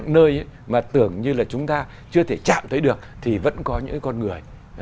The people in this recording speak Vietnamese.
nơi mà tưởng như là chúng ta chưa thể chạm thấy được thì vẫn có những con người